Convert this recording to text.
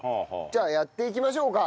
じゃあやっていきましょうか。